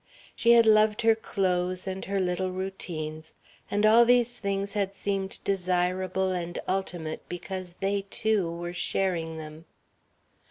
She had loved her clothes and her little routines, and all these things had seemed desirable and ultimate because they two were sharing them.